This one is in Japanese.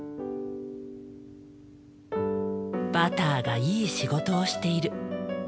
バターがいい仕事をしている。